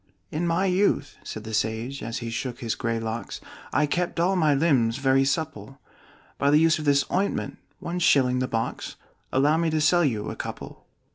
"In my youth," said the sage, as he shook his gray locks, "I kept all my limbs very supple By the use of this ointment one shilling the box Allow me to sell you a couple."